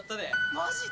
マジで？